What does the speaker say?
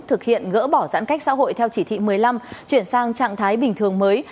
thực hiện gỡ bỏ giãn cách xã hội theo chỉ thị một mươi năm chuyển sang trạng thái bình thường mới